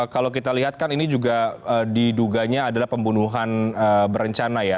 kalau kita lihat kan ini juga diduganya adalah pembunuhan berencana ya